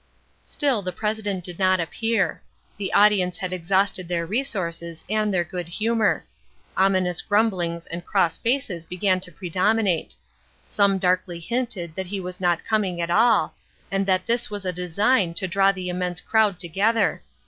Still the president did not appear. The audience had exhausted their resources and their good humor. Ominous grumblings and cross faces began to predominate. Some darkly hinted that he was not coming at all, and that this was a design to draw the immense crowd together.